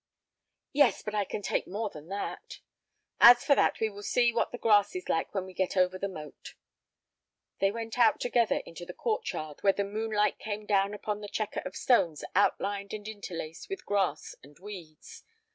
"Yes, but I can take more than that." "As for that, we will see what the grass is like when we get over the moat." They went out together into the court yard, where the moonlight came down upon the checker of stones outlined and interlaced with grass and weeds.